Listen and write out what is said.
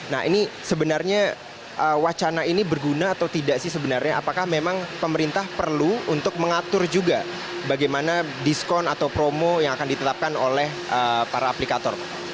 nah ini sebenarnya wacana ini berguna atau tidak sih sebenarnya apakah memang pemerintah perlu untuk mengatur juga bagaimana diskon atau promo yang akan ditetapkan oleh para aplikator